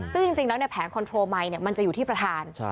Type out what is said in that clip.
ซึ่งจริงแล้วแผนคอนโทรไมค์มันจะอยู่ที่ประธาน